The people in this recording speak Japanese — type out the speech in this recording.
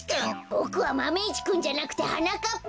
ボクはマメ１くんじゃなくてはなかっぱ！